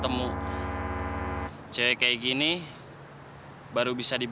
di depan narcisssenya dia nyebeli nyebelikan